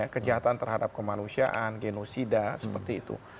kejahatan terhadap kemanusiaan genosida seperti itu